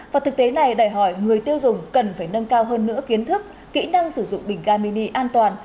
và thực tế này đòi hỏi người tiêu dùng cần phải nâng cao hơn nữa kiến thức kỹ năng sử dụng bình ga mini an toàn